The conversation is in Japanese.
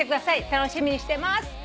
「楽しみにしてます」